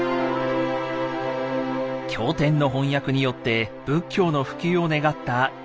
経典の翻訳によって仏教の普及を願った玄奘。